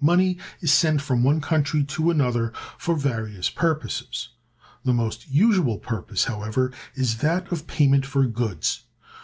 Money is sent from one country to another for various purposes: the most usual purpose, however, is that of payment for goods.